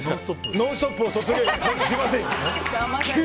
「ノンストップ！」を卒業。